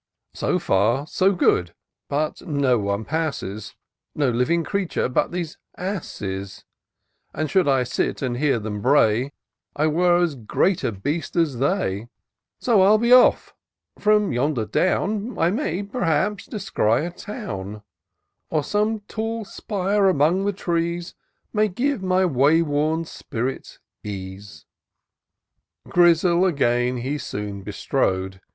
*." So far, so good — but no one passes, No living creature but these asses ; And, should I sit and hear them bray, 1 were as great a beast as they : IN SEARCH OF THE PICTURESQUE. 15 So I'll be off; from yonder down I may, perhaps, descry a town ; Or some tall spire among the trees May give my way worn spirits ease." Grizzle again he soon bestrode.